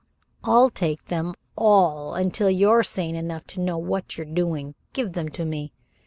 "I'll take them all until you're sane enough to know what you're doing. Give them to me."